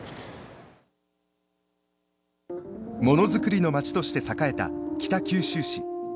ものづくりの街として栄えた北九州市。